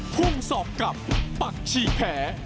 พุ่งสอบกับปักชีแพ้